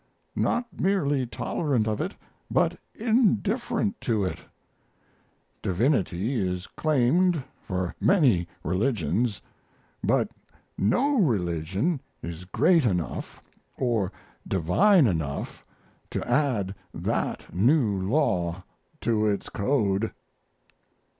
Not merely tolerant of it, but indifferent to it. Divinity is claimed for many religions; but no religion is great enough or divine enough to add that new law to its code.